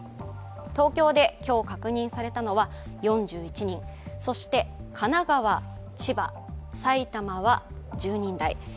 東京で今日確認されたのは４１人、そして神奈川、千葉、埼玉は１０人台。